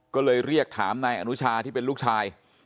ก็เลยเรียกถามนายอนุชาที่เป็นลูกชาย